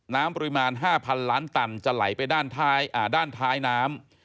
ปริมาณ๕๐๐ล้านตันจะไหลไปด้านท้ายน้ำ